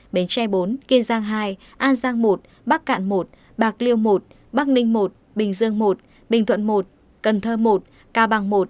bến tre bốn kiên giang hai an giang một bắc cạn một bạc liêu một bắc ninh một bình dương một bình thuận một cần thơ một cao bằng một